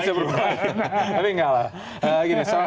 tapi enggak lah